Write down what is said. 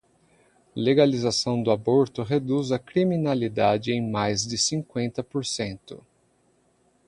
Legalização do aborto reduz a criminalidade em mais de cinquenta por cento